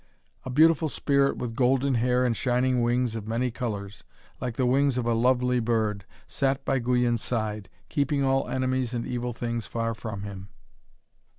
A beautiful spirit with golden hair and shining wings of many colours, like the wings of a lovely bird, sat by Guyon's side, keeping all enemies and evil things far from him.